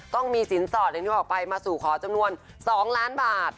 ต้องมีสินสอดอย่างที่บอกไปมาสู่ขอจำนวน๒ล้านบาท